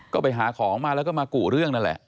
ก็ไปหาของมาแล้วก็มากุเรื่องนั่นแหละ